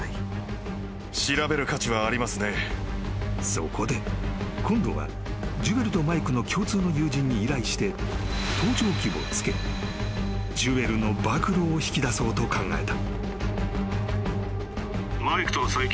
［そこで今度はジュエルとマイクの共通の友人に依頼して盗聴器をつけジュエルの暴露を引き出そうと考えた］